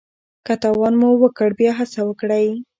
که تاوان مو وکړ بیا هڅه وکړئ.